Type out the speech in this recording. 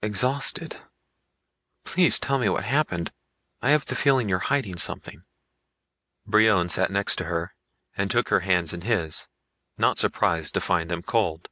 exhausted. Please tell me what happened. I have the feeling you're hiding something." Brion sat next to her and took her hands in his, not surprised to find them cold.